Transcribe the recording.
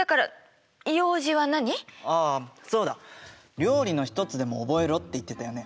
料理の一つでも覚えろって言ってたよね？